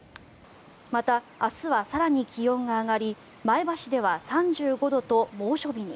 また、明日は更に気温が上がり前橋では３５度と猛暑日に。